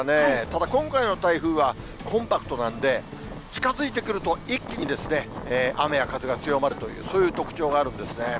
ただ今回の台風はコンパクトなんで、近づいてくると一気に雨や風が強まるという、そういう特徴があるんですね。